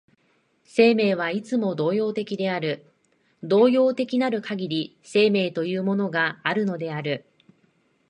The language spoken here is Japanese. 生命はいつも動揺的である、動揺的なるかぎり生命というものがあるのである。